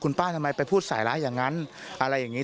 ป้าทำไมไปพูดใส่ร้ายอย่างนั้นอะไรอย่างนี้